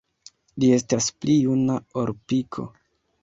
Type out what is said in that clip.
Li estas pli juna ol Piko.